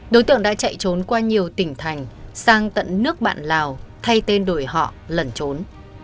đối tượng đã chạy trốn qua nhiều tỉnh thành sang tận nước bạn lào thay tên đổi họ lẩn trốn